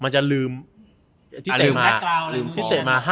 มันจะลืมที่เตะมา